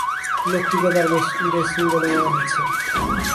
লোকটিকে তাঁর বেশ ইস্টারেষ্টিং বলে মনে হচ্ছে।